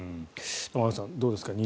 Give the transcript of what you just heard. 玉川さん、どうですか。